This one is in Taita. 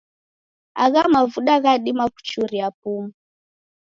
Agha mavuda ghadima kuchuria pumu.